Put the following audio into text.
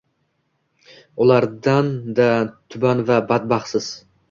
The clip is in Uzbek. ulardan-da tuban va badbaxtsiz.